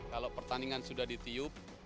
kalau pertandingan sudah ditiup